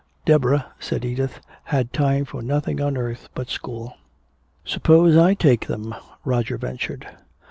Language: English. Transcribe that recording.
Deborah, said Edith, had time for nothing on earth but school. "Suppose I take them," Roger ventured.